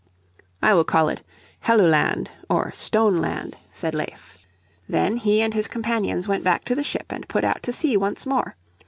"I will call it Helluland or Stone Land," said Leif. Then he and his companions went back to the ship and put out to sea once more.